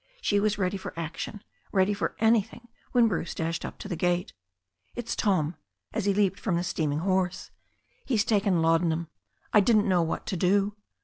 She was ready for action, ready for anything when Bruce dashed up to the gate. "It's Tom," as he leapt from the steaming horse. "He's taken laudanum. I didn't know what to do."